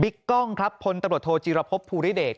บิ๊กกล้องครับพลตรวจโทรจีรพพภูริเดช